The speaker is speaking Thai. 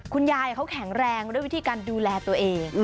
คุณยายเขาแข็งแรงด้วยวิธีการดูแลตัวเอง